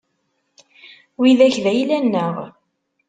Widak d ayla-nneɣ.